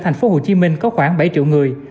thành phố hồ chí minh có khoảng bảy triệu người